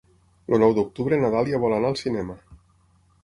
El nou d'octubre na Dàlia vol anar al cinema.